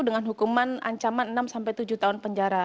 dengan hukuman ancaman enam tujuh tahun penjara